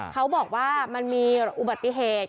เขาบอกว่ามันมีอุบัติเหตุ